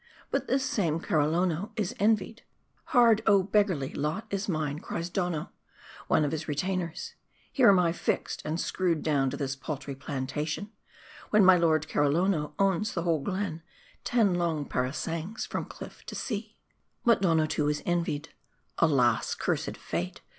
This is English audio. But this same Karrolono, is envied. * Hard, oh beggarly lot is mine,' cries Donno, one of his retainers. ' Here am I fixed and screwed down to this paltry plantation, when my* lord Karrolono owns the whole glen, ten long parasangs from cliff to sea.' But Donno too is envied. 'Alas, cursed fate.!'